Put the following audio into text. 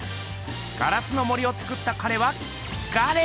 「『ガラスの森』をつくった彼はガレ」。